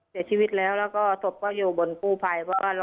เสียชีวิตแล้วแล้วก็ศพก็อยู่บนกู้ภัย